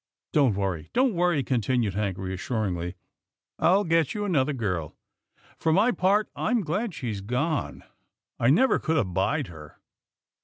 Don't worry, don't worry," continued Hank, reassuringly, " I'll get you another girl. For my part, I'm glad she's gone. I never could abide her."